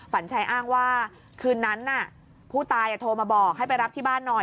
ฝันชัยอ้างว่าคืนนั้นผู้ตายโทรมาบอกให้ไปรับที่บ้านหน่อย